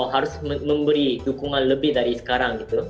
harus memberi dukungan lebih dari sekarang gitu